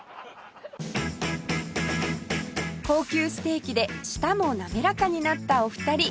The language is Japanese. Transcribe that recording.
高級ステーキで舌も滑らかになったお二人